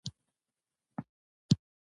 ورزش د بدن سستي له منځه وړي.